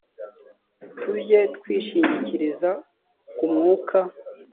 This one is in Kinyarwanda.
tujye twishingikiriza ku mwuka